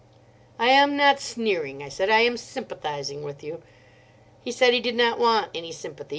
"I am not sneering," I said; "I am sympathising with you." He said he did not want any sympathy.